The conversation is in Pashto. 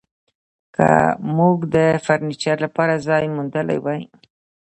که موږ د فرنیچر لپاره ځای موندلی وای